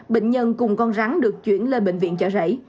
bệnh nhân cùng con rắn được chuyển lên bệnh viện chợ rẫy